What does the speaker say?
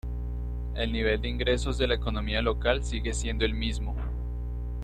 El nivel de ingresos de la economía local sigue siendo el mismo.